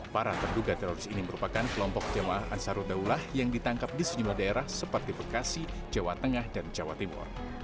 para terduga teroris ini merupakan kelompok jamaah ansarud daulah yang ditangkap di sejumlah daerah seperti bekasi jawa tengah dan jawa timur